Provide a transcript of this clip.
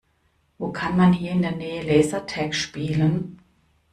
Wo kann man hier in der Nähe Lasertag spielen?